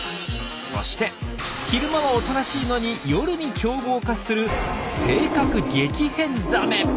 そして昼間はおとなしいのに夜に凶暴化する「性格激変ザメ」。